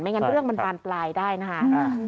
งั้นเรื่องมันบานปลายได้นะคะ